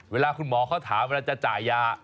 เวลาคุณหมอเขาถามเวลาจะจ่ายยา